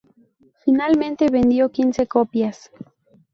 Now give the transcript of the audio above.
Finalmente vendió quince copias.